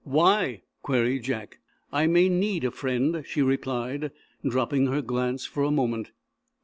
"Why?" queried Jack. "I may need a friend," she replied, dropping her glance for a moment.